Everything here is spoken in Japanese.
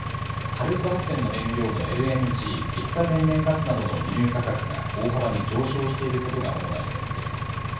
火力発電の燃料のＬＮＧ・液化天然ガスなどの輸入価格が大幅に上昇していることが主な要因です。